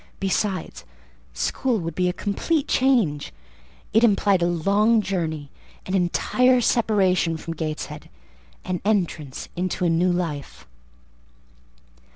Besides, school would be a complete change: it implied a long journey, an entire separation from Gateshead, an entrance into a new life.